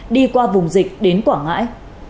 đi qua vùng dịch đến quảng ngãi